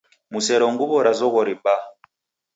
Musero nguwo ra zoghori mbaa